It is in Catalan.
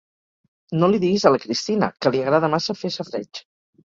No li diguis a la Cristina, que li agrada massa fer safareig.